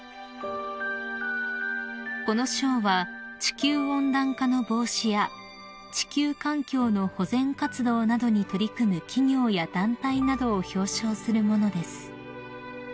［この賞は地球温暖化の防止や地球環境の保全活動などに取り組む企業や団体などを表彰するものです］